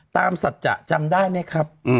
สัจจะจำได้ไหมครับ